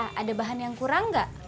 ini adalah asalnya rumah gerne